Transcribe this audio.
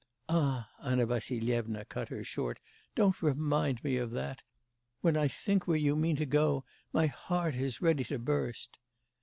'Ah!' Anna Vassilyevna cut her short, 'don't remind me of that. When I think where you mean to go, my heart is ready to burst!